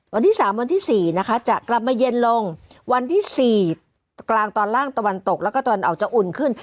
วันที่๓วันที่๔นะคะจะกลับมาเย็นลงวันที่๔กลางตอนล่างตะวันตกแล้วก็ตะวันออกจะอุ่นขึ้น